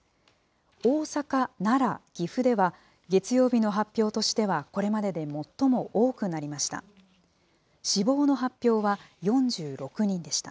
大阪、奈良、岐阜では、月曜日の発表としてはこれまでで最も多くなりました。